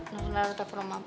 nerot nerot telfon ke rumah